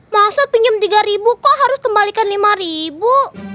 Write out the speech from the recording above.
masa pinjam tiga ribu kok harus kembalikan lima ribu